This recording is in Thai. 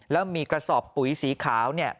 แล้วมีกระสอบปุ๋ยสีขาวเนี่ย